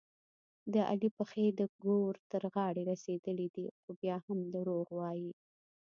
د علي پښې د ګور تر غاړې رسېدلې دي، خو بیا هم دروغ وايي.